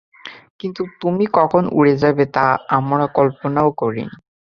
কিন্তু তুমি কখন উড়ে যাবে তা আমরা কল্পনাও করিনি।